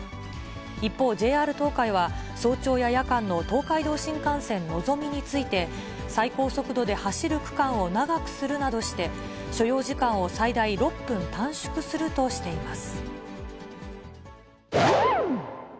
一方、ＪＲ東海は、早朝や夜間の東海道新幹線のぞみについて、最高速度で走る区間を長くするなどして、所要時間を最大６分短縮するとしています。